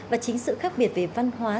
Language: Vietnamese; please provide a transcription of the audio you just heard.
và chính sự khác biệt về văn hóa